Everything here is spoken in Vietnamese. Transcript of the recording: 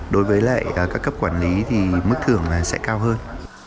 đối với lại các cấp quản lý thì mức thưởng sẽ cao hơn